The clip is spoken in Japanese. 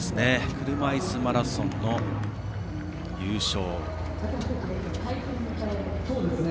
車いすマラソンの優勝。